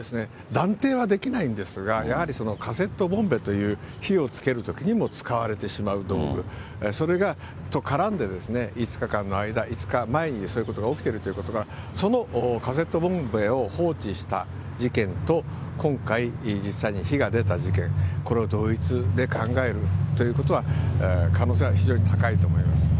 断定はできないんですが、やはりカセットボンベという、火をつけるときにも使われてしまう道具、それが絡んで、５日間の間、５日前にそういうことが起きてるということが、そのカセットボンベを放置した事件と、今回実際に火が出た事件、これを同一で考えるということは、可能性は非常に高いと思います。